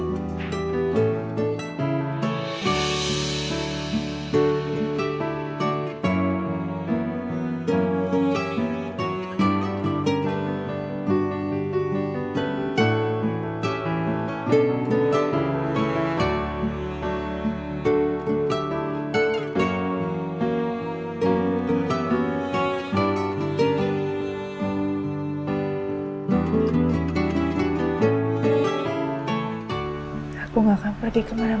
bahkan bahkan karena have sang patung